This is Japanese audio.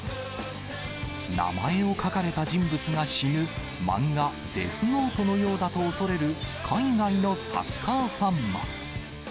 名前を書かれた人物が死ぬ、漫画、デスノートのようだと恐れる海外のサッカーファンも。